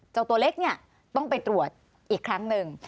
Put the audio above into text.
เจ้าตัวเล็กต้องไปตรวจอีกครั้งหนึ่ง